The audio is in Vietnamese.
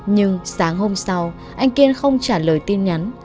nhưng sáng hôm sau anh kiên không trả lời tin nhắn